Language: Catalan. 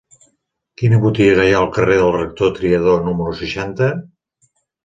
Quina botiga hi ha al carrer del Rector Triadó número seixanta?